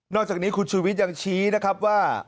อกจากนี้คุณชูวิทย์ยังชี้นะครับว่า